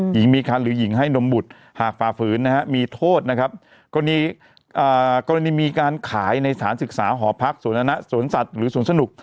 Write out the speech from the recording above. หญิงมีคันหรือหญิงให้นมบุตรหากฝ่าฝืนนะฮะมีโทษนะครับกรณีกรณีมีการขายในสถานศึกษาหอพักสวนสัตว์หรือสวนสนุก